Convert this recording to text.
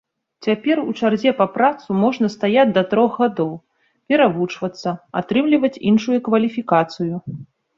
Цяпер у чарзе па працу можна стаяць да трох гадоў, перавучвацца, атрымліваць іншую кваліфікацыю.